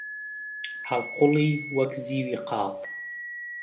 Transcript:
هەڵقوڵی وەک زیوی قاڵ